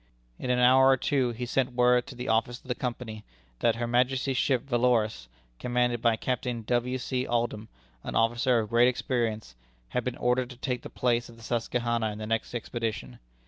In an hour or two he sent word to the office of the Company, that Her Majesty's ship Valorous commanded by Captain W. C. Aldham, an officer of great experience had been ordered to take the place of the Susquehanna in the next expedition.